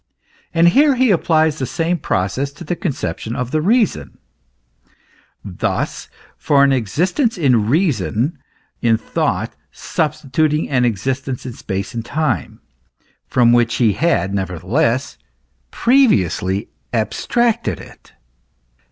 And here he applies the same process to the conception of the reason, thus, for an existence in reason, in thought, substituting an exis tence in space and time, from which he had, nevertheless, pre viously abstracted it.